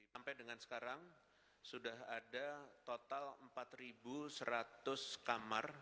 sampai dengan sekarang sudah ada total empat seratus kamar